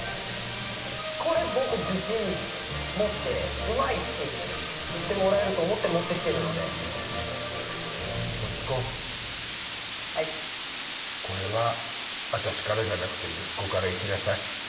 これ僕自信持ってうまい！って言ってもらえると思って持ってきてるので息子はいこれは私からじゃなくて息子からいきなさい